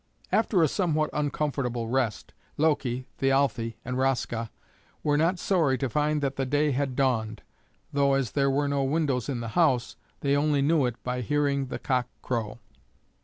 After a somewhat uncomfortable rest, Loki, Thialfe, and Raska were not sorry to find that the day had dawned, though as there were no windows in the house, they only knew it by hearing the cock crow.